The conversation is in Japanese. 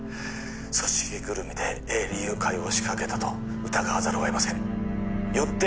組織ぐるみで営利誘拐を仕掛けたと疑わざるをえませんよって